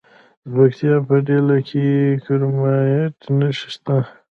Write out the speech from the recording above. د پکتیکا په دیله کې د کرومایټ نښې شته.